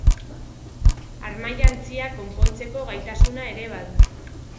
Armajantziak konpontzeko gaitasuna ere badu.